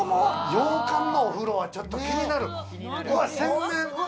洋館のお風呂はちょっと気になる。